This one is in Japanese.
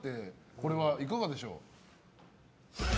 これはいかがでしょう？